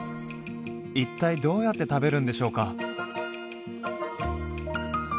一体どうやって食べるんでしょうか？